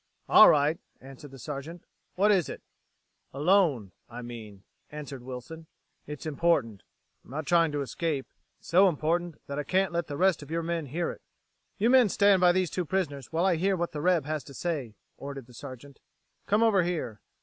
"All right," answered the Sergeant. "What is it?" "Alone, I mean," answered Wilson. "It's important. I'm not trying to escape. It's so important that I can't let the rest of your men hear it." "You men stand by these two prisoners while I hear what the reb has to say," ordered the Sergeant. "Come over here."